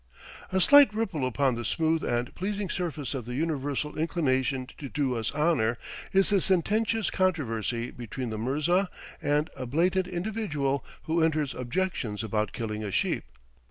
A slight ripple upon the smooth and pleasing surface of the universal inclination to do us honor is a sententious controversy between the mirza and a blatant individual who enters objections about killing a sheep.